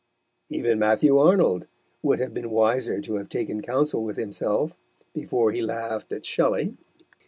Even Matthew Arnold would have been wiser to have taken counsel with himself before he laughed at Shelley.